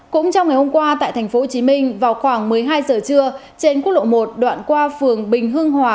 cũng trong ngày hôm qua tại tp hcm vào khoảng một mươi hai giờ trưa trên quốc lộ một đoạn qua phường bình hưng hòa